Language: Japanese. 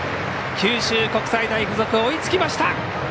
九州国際大付属、追いつきました。